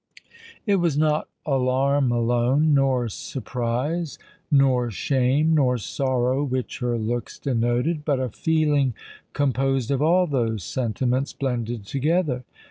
It was not alarm alone—nor surprise—nor shame—nor sorrow, which her looks denoted; but a feeling composed of all those sentiments blended together.